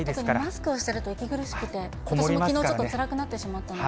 マスクをしてると息苦しくて、私もきのうちょっとつらくなってしまったので。